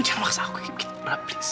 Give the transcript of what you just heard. jangan maksak aku kayak begitu laura please